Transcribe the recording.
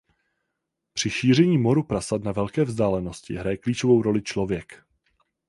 Při šíření moru prasat na velké vzdálenosti hraje klíčovou roli člověk.